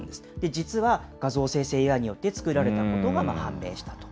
実は画像生成ＡＩによって作られたことが判明したと。